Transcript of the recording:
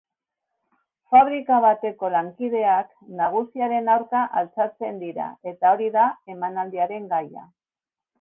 Fabrika bateko lankideak nagusiaren aurka altxatzen dira eta hori da emanaldiaren gaia.